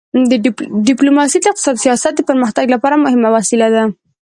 ډیپلوماسي د اقتصادي سیاست د پرمختګ لپاره مهمه وسیله ده.